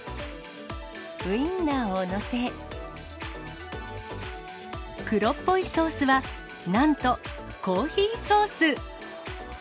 ウインナーを載せ、黒っぽいソースはなんと、コーヒーソース。